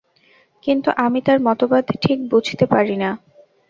কিন্তু আমি তাঁর মতবাদ ঠিক বুঝতে পারি না।